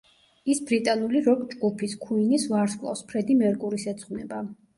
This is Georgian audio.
ის ბრიტანული როკ-ჯგუფის, „ქუინის“ ვარსკვლავს, ფრედი მერკურის ეძღვნება.